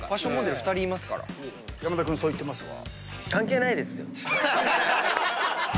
山田君そう言ってますが。